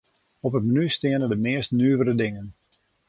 Op it menu steane de meast nuvere dingen.